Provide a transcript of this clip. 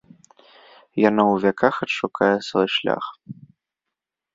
Яна ў вяках адшукае свой шлях.